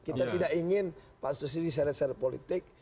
kita tidak ingin pansus ini seret seret politik